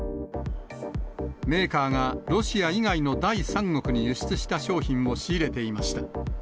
メーカーがロシア以外の第三国に輸出した商品を仕入れていました。